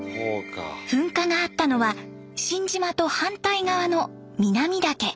噴火があったのは新島と反対側の南岳。